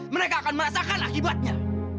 mereka akan merasakan akibatnya